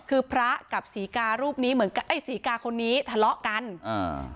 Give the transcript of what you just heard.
คือพระกับศรีการูปนี้เหมือนกับไอ้ศรีกาคนนี้ทะเลาะกันอ่า